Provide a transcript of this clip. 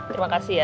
terima kasih ya